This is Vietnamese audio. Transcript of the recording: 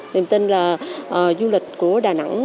niềm tin là du lịch của đà nẵng